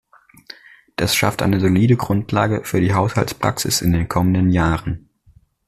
Das schafft eine solide Grundlage für die Haushaltspraxis in den kommenden Jahren.